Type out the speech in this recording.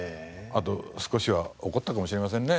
あと少しは怒ったかもしれませんね。